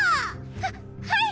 はっはい！